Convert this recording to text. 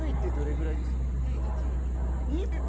１分！？